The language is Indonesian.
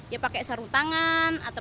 ya pakai sarung tangan